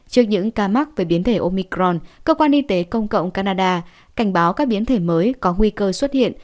trước những ca mắc về biến thể omicron cơ quan y tế công cộng canada cảnh báo các biến thể mới có nguy cơ xuất hiện